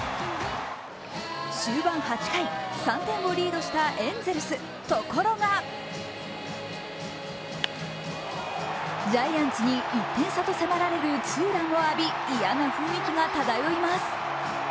終盤８回、３点をリードしたエンゼルス、ところがジャイアンツに１点差と迫られるツーランを浴び嫌な雰囲気が漂います。